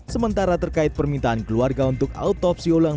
sementara terkait permintaan keluarga untuk autopsi ulang